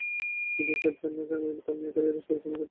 কিন্তু সাইফ চান না তাঁর মেয়ে ক্যারিয়ারের শুরুতেই এমন জটিলতায় পড়ুক।